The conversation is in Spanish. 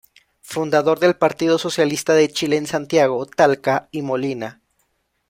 Fundador del Partido Socialista de Chile en Santiago, Talca y Molina.